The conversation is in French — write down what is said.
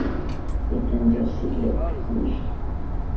L'étain durcit le cuivre.